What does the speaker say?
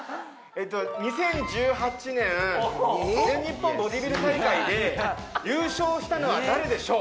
２０１８年全日本ボディビル大会で優勝したのは誰でしょう？